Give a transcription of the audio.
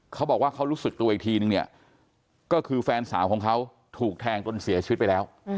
เขาบอกว่าเขารู้สึกตัวอีกทีนึงเนี่ยก็คือแฟนสาวของเขาถูกแทงจนเสียชีวิตไปแล้ว